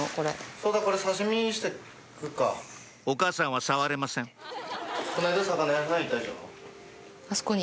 お母さんは触れませんあそこに。